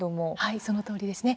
そのとおりですね。